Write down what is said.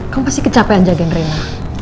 kamu pasti kecapean jagain rena